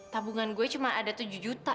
tabungan gue cuma ada tujuh juta